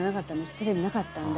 テレビなかったんで。